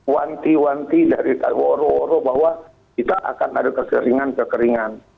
wanti wanti dari woro woro bahwa kita akan ada kekeringan kekeringan